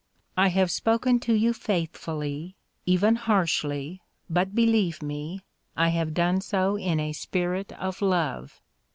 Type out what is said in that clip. I have spoken to you faithfully, even harshly, but, believe me, I have done so in a spirit of love.